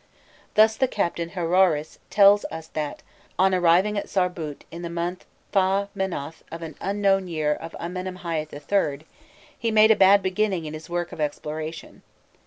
Thus the Captain Haroëris tells us that, on arriving at Sarbût in the month Pha menoth of an unknown year of Amenemhâît III., he made a bad beginning in his work of exploration.